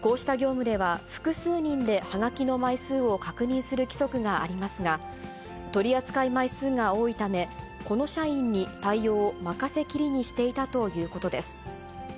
こうした業務では、複数人ではがきの枚数を確認する規則がありますが、取り扱い枚数が多いため、この社員に対応を任せきりにしていたということです。